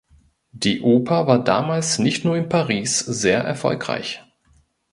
Die Oper war damals nicht nur in Paris sehr erfolgreich.